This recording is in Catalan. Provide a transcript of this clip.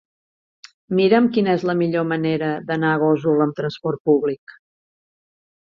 Mira'm quina és la millor manera d'anar a Gósol amb trasport públic.